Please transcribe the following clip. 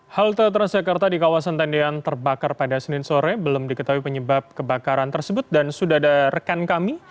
halte transjakarta di kawasan tendian terbakar pada senin sore belum diketahui penyebab kebakaran tersebut dan sudah ada rekan kami